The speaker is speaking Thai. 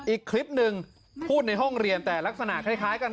อีกคลิปหนึ่งพูดในห้องเรียนแต่ลักษณะคล้ายกัน